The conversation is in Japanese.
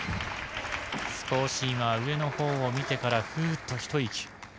少し今、上のほうを見てからふーっとひと息。